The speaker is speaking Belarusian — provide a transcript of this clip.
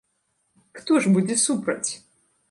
Хто ж будзе супраць?!